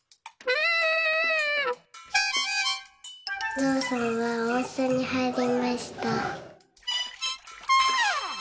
「ゾウさんはおんせんにはいりました」。